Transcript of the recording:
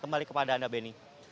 kembali kepada anda benny